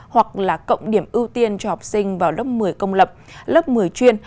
hoặc là cộng điểm ưu tiên cho học sinh vào lớp một mươi công lập lớp một mươi chuyên